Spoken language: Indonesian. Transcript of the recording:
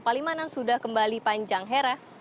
palimanan sudah kembali panjang hera